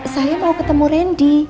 saya mau ketemu randy